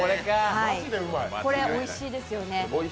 これ、おいしいですよね。